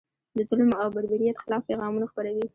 د ظلم او بربریت خلاف پیغامونه خپروي.